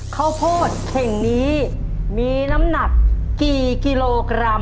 ข้าวโพดเข่งนี้มีน้ำหนักกี่กิโลกรัม